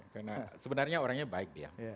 karena sebenarnya orangnya baik dia